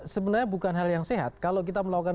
sebenarnya bukan hal yang sehat kalau kita melakukan